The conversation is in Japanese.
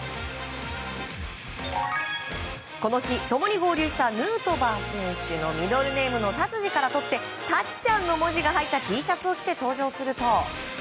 この日、共に合流したヌートバー選手のミドルネームの達治からとってたっちゃんの文字が入ったＴシャツを着て登場すると。